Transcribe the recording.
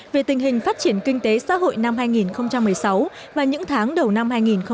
về tình hình phát triển kinh tế xã hội năm hai nghìn một mươi sáu và những tháng đầu năm hai nghìn một mươi chín